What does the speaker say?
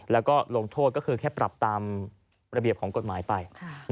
แล้วก็ลงโทษก็คือแค่ปรับตามระเบียบของกฎหมายไป